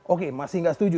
oke masih gak setuju